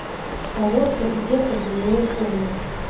Гаворка ідзе пра буйныя сумы.